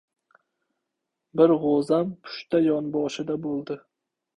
Bir g‘o‘zam pushta yonboshida bo‘ldi.